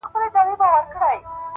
o هلته پاس چي په سپوږمـۍ كــي،